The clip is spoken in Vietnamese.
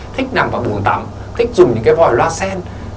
thích nằm vào vùng tắm thích dùng những cái vòi loa sen